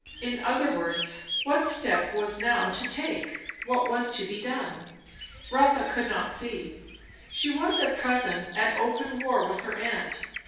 In other words, what step was now to take? What was to be done? Rotha could not see. She was at present at open war with her aunt.